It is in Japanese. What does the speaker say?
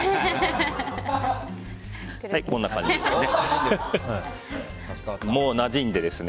こんな感じですね。